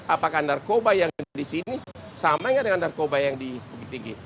apakah narkoba yang ada di sini sama dengan narkoba yang di itg